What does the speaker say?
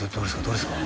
どれですか？